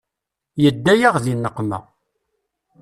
Yedda-yaɣ di nneqma.